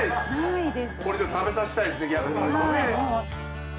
これ食べさせたいですね